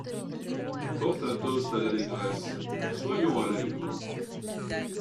Je porte un toast à l’allégresse ; soyons allègres!